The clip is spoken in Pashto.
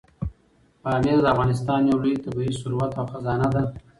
پامیر د افغانستان یو لوی طبعي ثروت او خزانه ده.